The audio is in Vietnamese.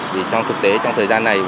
vì trong thực tế trong thời gian này